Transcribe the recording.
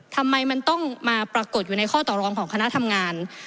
ทำไมมันต้องมาปรากฏอยู่ในข้อต่อรองของคณะทำงาน